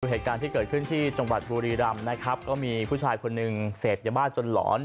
เหตุการณ์ที่เกิดขึ้นที่จังหวัดบุรีรำนะครับก็มีผู้ชายคนหนึ่งเสพยาบ้าจนหลอน